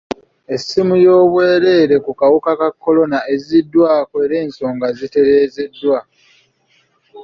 Essiimu y'obwereere ku kawuka ka kolona ezziddwako era ensonga zitereezeddwa.